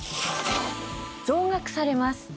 増額されます。